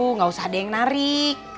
nggak usah ada yang narik